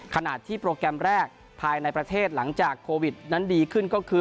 ขณะที่โปรแกรมแรกภายในประเทศหลังจากโควิดนั้นดีขึ้นก็คือ